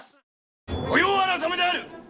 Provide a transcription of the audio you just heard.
「御用改めである！」。